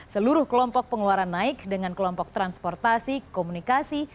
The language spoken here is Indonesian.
seluruh kelompok pengeluaran naik dengan kelompok transportasi komunikasi